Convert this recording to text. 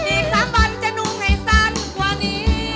อีก๓วันจะนุ่งให้สั้นกว่านี้